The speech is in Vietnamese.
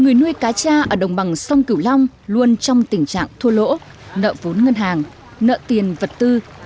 người nuôi cá cha ở đồng bằng sông cửu long luôn trong tình trạng thua lỗ nợ vốn ngân hàng nợ tiền vật tư